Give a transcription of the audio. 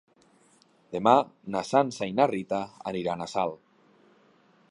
Demà na Sança i na Rita aniran a Salt.